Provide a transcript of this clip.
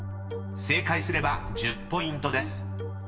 ［正解すれば１０ポイントです］